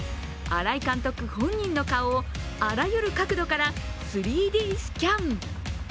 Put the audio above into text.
新井監督本人の顔をあらゆる角度から３Ｄスキャン。